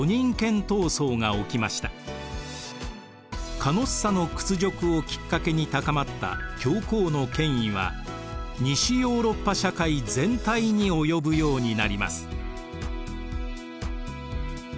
カノッサの屈辱をきっかけに高まった教皇の権威は西ヨーロッパ社会全体に及ぶようになります。